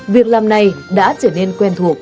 việc làm này đã trở nên quen thuộc